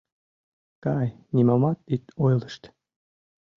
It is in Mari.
— Кай, нимомат ит ойлышт.